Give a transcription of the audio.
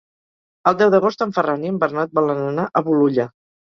El deu d'agost en Ferran i en Bernat volen anar a Bolulla.